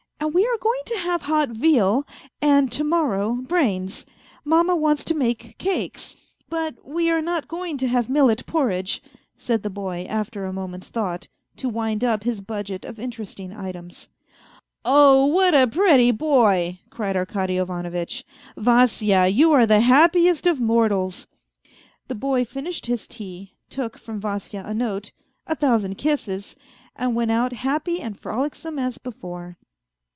" And we are going to have hot veal, and to morrow brains. Mamma wants to make cakes ... but we are not going to have 180 A FAINT HEART millet porridge," said the boy, after a moment's thought, to wind up his budget of interesting items. " Oh ! what a pretty boy," cried Arkady Ivanovitch. " Vasya, you are the happiest of mortals." The boy finished his tea, took from Vasya a note, a thousand kisses, and went out happy and frolicsome as before.